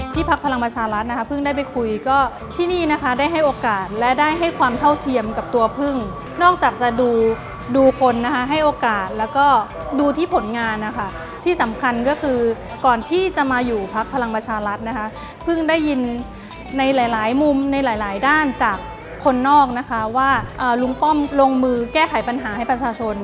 พักพลังประชารัฐนะคะเพิ่งได้ไปคุยก็ที่นี่นะคะได้ให้โอกาสและได้ให้ความเท่าเทียมกับตัวพึ่งนอกจากจะดูดูคนนะคะให้โอกาสแล้วก็ดูที่ผลงานนะคะที่สำคัญก็คือก่อนที่จะมาอยู่พักพลังประชารัฐนะคะเพิ่งได้ยินในหลายมุมในหลายด้านจากคนนอกนะคะว่าลุงป้อมลงมือแก้ไขปัญหาให้ประชาชน